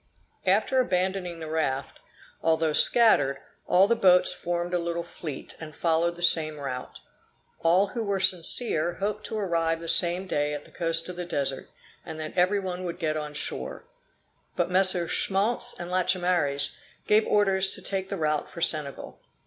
After abandoning the raft, although scattered, all the boats formed a little fleet, and followed the same route. All who were sincere hoped to arrive the same day at the coast of the Desert, and that every one would get on shore; but MM. Schmaltz and Lachaumareys gave orders to take the route for Senegal.